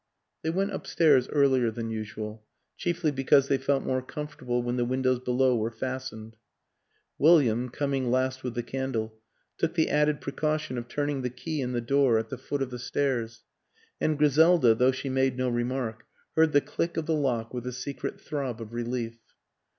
They went upstairs earlier than usual, chiefly because they felt more comfortable when the windows below were fastened. William, coming last with the candle, took the added precaution of turning the key in the door at the foot of the stairs; and Griselda, though she made no remark, heard the click of the lock with a secret throb of relief.